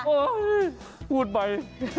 โอ๊ยพูดไป